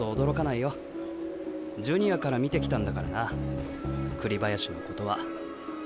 ジュニアから見てきたんだからな栗林のことは。